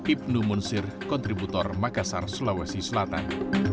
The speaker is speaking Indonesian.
ibnu munsir kontributor makassar sulawesi selatan